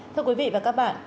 thưa quý vị và các bạn